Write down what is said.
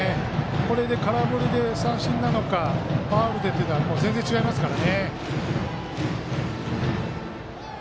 これで空振り三振なのかファウルでというのは全然違いますから。